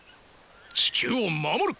地球を守る。